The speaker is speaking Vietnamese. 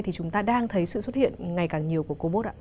thì chúng ta đang thấy sự xuất hiện ngày càng nhiều của cô bốt ạ